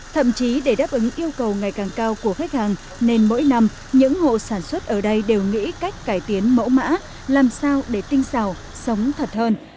thậm chí để đáp ứng yêu cầu ngày càng cao của khách hàng nên mỗi năm những hộ sản xuất ở đây đều nghĩ cách cải tiến mẫu mã làm sao để tinh xào sống thật hơn